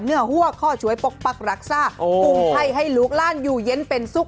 หัวข้อช่วยปกปักรักษากุ้งไทยให้ลูกล่านอยู่เย็นเป็นสุข